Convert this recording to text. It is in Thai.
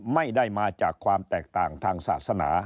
ไม่ได้มาจากความแตกต่างทางศาสนา